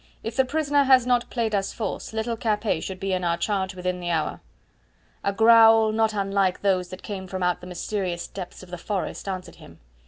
"If the prisoner has not played us false little Capet should be in our charge within the hour." A growl not unlike those that came from out the mysterious depths of the forest answered him.